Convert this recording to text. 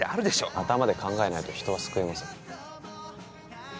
頭で考えないと人は救えません